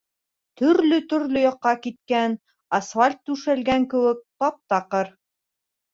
Төрлө-төрлө яҡҡа киткән, асфальт түшәлгән кеүек тап-таҡыр.